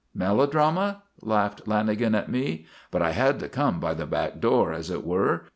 "Melodrama?" laughed Lanagan at me. "But I had to come by the back door, as it were.